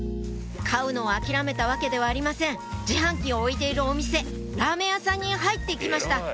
買うのを諦めたわけではありません自販機を置いているお店ラーメン屋さんに入って行きました